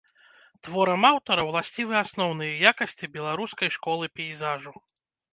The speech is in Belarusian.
Творам аўтара ўласцівы асноўныя якасці беларускай школы пейзажу.